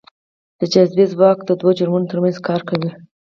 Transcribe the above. د جاذبې ځواک دوو جرمونو ترمنځ کار کوي.